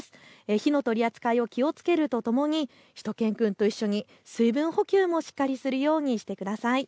火の取り扱いに気をつけるとともにしゅと犬くんと一緒に水分補給もしっかりするようにしてください。